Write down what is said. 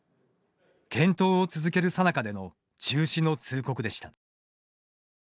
検討を続けるさなかでの中止の通告でした。